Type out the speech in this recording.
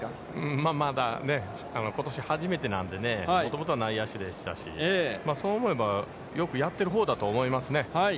まあまだ、ことし初めてなんでね、もともとは内野手でしたし、そう思えば、よくやっているほうだと思いますね。